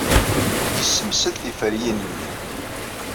Yessemsed tiferyin-nni.